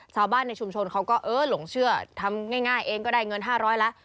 ชาวบ้านในชุมชนเขาก็เออหลงเชื่อทำง่ายเองก็ได้เงิน๕๐๐แล้ว